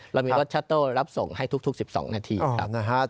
เรามีรถชัตเตอร์รับส่งให้ทุก๑๒นาทีครับ